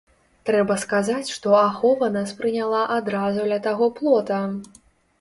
Трэба сказаць, што ахова нас прыняла адразу ля таго плота.